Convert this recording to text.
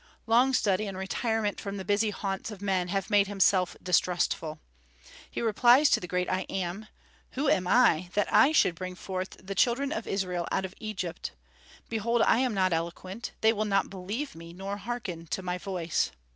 Long study and retirement from the busy haunts of men have made him self distrustful. He replies to the great I Am, "Who am I, that I should bring forth the Children of Israel out of Egypt? Behold, I am not eloquent; they will not believe me, nor hearken to my voice."